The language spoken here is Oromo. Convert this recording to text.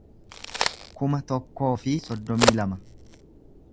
kuma tokkoo fi soddomii lama